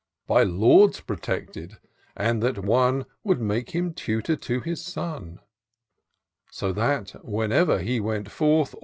By lords protected ! and that one Would make him tutor to his son: So that, whenever he went forth.